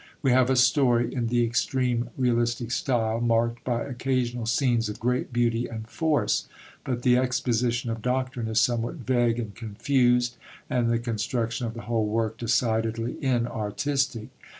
We have a story in the extreme realistic style, marked by occasional scenes of great beauty and force; but the exposition of doctrine is somewhat vague and confused, and the construction of the whole work decidedly inartistic.